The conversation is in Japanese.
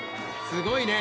すごいね。